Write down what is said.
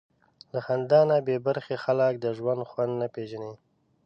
له خندا نه بېبرخې خلک د ژوند خوند نه پېژني.